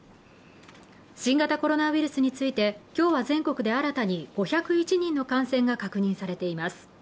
新型コロナウイルスについて、今日は全国で新たに５０１人の感染が確認されています。